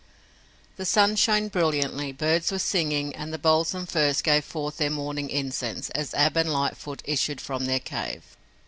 The sun shone brilliantly, birds were singing and the balsam firs gave forth their morning incense as Ab and Lightfoot issued from their cave.